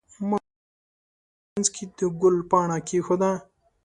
ماشوم د خپل کتاب منځ کې د ګل پاڼه کېښوده.